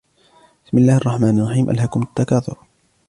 بِسْمِ اللَّهِ الرَّحْمَنِ الرَّحِيمِ أَلْهَاكُمُ التَّكَاثُرُ